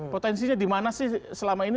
potensinya di mana sih selama ini